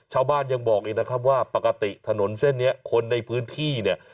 ชาวบ้านยังบอกอีกนะครับว่าปกติถนนเส้นนี้คนในพื้นที่เนี่ย